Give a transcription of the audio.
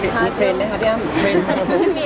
หรือว่าอะไร